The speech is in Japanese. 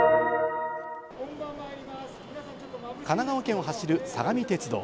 神奈川県を走る相模鉄道。